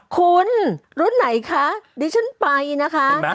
คุณรุ่นไหนคะดิฉันไปนะคะ